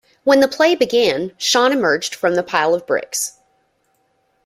When the play began, Shawn emerged from the pile of bricks.